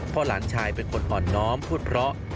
เพราะหลานชายเป็นคนอ่อนน้อมพูดเพราะ